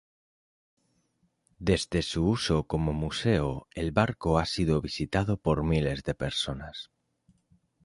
Desde su uso como museo, el barco ha sido visitado por miles de personas.